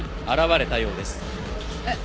えっ？